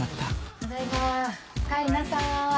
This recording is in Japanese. おかえりなさい。